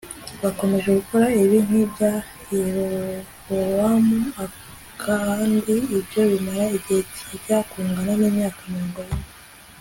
bakomeje gukora ibibi nkibya Yerobowamu akandi ibyo bimara igihe kijya kungana nimyaka mirongo ine